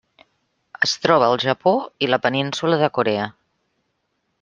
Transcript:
Es troba al Japó i la península de Corea.